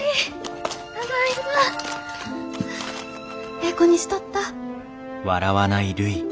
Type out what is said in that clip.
ええ子にしとった？